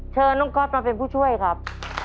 เชิญน้องก๊อตมาเป็นผู้ช่วยครับ